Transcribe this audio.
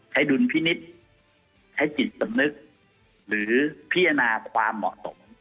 ดุลพินิษฐ์ใช้จิตสำนึกหรือพิจารณาความเหมาะสม